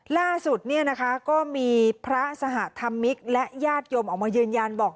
ล่าสุดก็มีพระสหธมิตรและญาติยมออกมาเยือนยานบอก